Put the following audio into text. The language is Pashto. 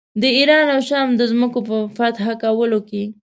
د ایران او شام د ځمکو په فتح کولو کې.